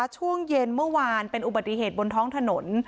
ช่วงเย็นเมื่อวานเป็นอุบัติเหตุบนท้องถนน